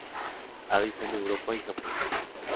Habita en Europa y Japón.